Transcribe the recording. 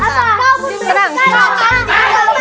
kau pun berantem